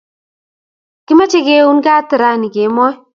Kimache kiun kat raa kemoi